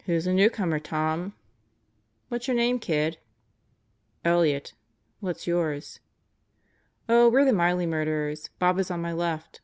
"Who's the newcomer, Tom?" "What's your name, kid?" "Elliott. What's yours?" "Oh, we're the Miley murderers. Bob is on my left.